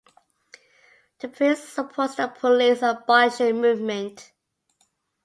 Prince supports the police abolition movement.